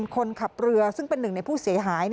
คนขับเรือซึ่งเป็นหนึ่งในผู้เสียหาย